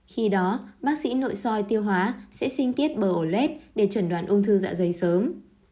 khi đó bác sĩ nội soi tiêu hóa sẽ sinh tiết bờ ổ lết để chuẩn đoán ung thư dạ dây sớm